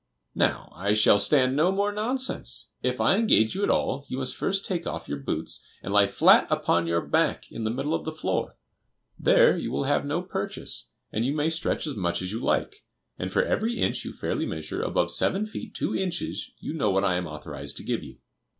Now, I shall stand no more nonsense. If I engage you at all, you must first take off your boots, and lie flat upon your back in the middle of the floor; there you will have no purchase, and you may stretch as much as you like; and for every inch you fairly measure above seven feet two inches you know what I am authorized to give you."